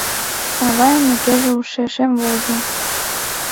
Авайын укеже ушешем возо.